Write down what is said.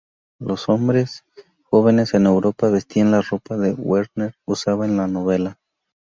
Los hombres jóvenes en Europa vestían la ropa que Werther usaba en la novela.